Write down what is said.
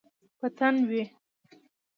په تن وی